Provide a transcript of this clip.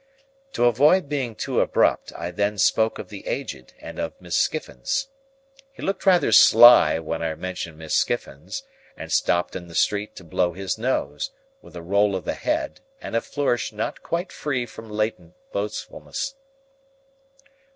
To avoid being too abrupt, I then spoke of the Aged and of Miss Skiffins. He looked rather sly when I mentioned Miss Skiffins, and stopped in the street to blow his nose, with a roll of the head, and a flourish not quite free from latent boastfulness.